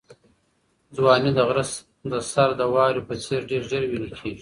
ځواني د غره د سر د واورې په څېر ډېر ژر ویلې کېږي.